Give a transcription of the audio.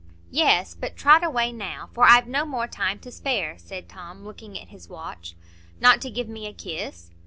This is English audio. "Yes; but trot away now, for I've no more time to spare," said Tom, looking at his watch. "Not to give me a kiss?"